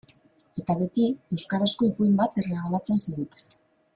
Eta, beti, euskarazko ipuin bat erregalatzen ziguten.